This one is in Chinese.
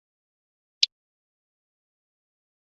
亚维力格是亚尔诺的登丹人的儿子及继承人。